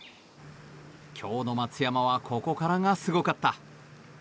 今日の松山はここからがすごかった。